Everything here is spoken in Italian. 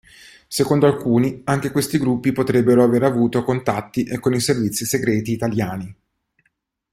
Secondo alcuni, anche questi gruppi potrebbero avere avuto contatti con i servizi segreti italiani.